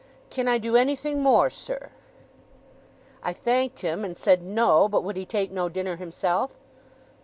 'Can I do anything more, sir?' I thanked him and said, No; but would he take no dinner himself?